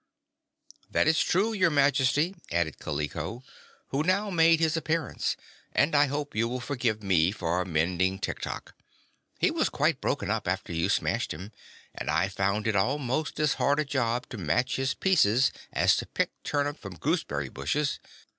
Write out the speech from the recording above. "That is true, your Majesty," added Kaliko, who now made his appearance, "and I hope you will forgive me for mending Tiktok. He was quite broken up, after you smashed him, and I found it almost as hard a job to match his pieces as to pick turnips from gooseberry bushes.